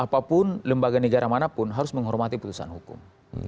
apapun lembaga negara manapun harus menghormati putusan hukum